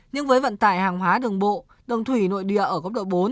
nhưng với vận tải hàng hóa đường bộ đồng thủy nội địa ở cấp độ bốn